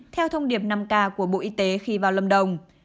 theo thông điệp năm k của bộ y tế khi vào lâm đồng